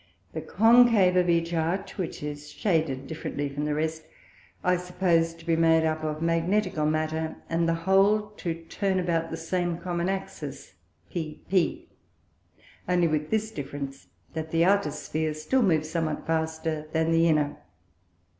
The Concave of each Arch, which is shaded differently from the rest, I suppose to be made up of Magnetical Matter; and the whole to turn about the same common Axis pp, only with this difference, that the Outer Sphere still moves somewhat faster than the Inner.